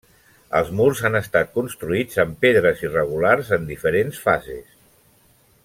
Els murs han estat construïts amb pedres irregulars en diferents fases.